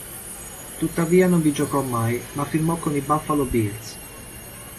Tuttavia non vi giocò mai ma firmò con i Buffalo Bills.